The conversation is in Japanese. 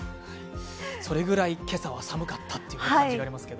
それぐらい今朝は寒かったという感じがありますけど。